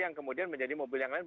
yang kemudian menjadi mobil yang lain